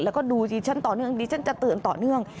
แล้วก็ดูสิฉันต่อเนื่องดิฉันจะเตือนต่อเนื่อง